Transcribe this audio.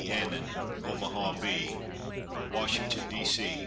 ANNIN, Omaha Bee. WASHINGTON, D. C.